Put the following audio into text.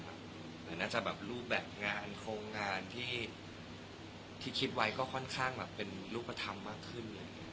หนัวอาจจะแบบรูปแบบงานโครงงานที่คิดไว้ก็ค่อนข้างเป็นรูปธรรมมากขึ้น